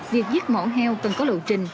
việc giết mẫu heo cần có lựu trình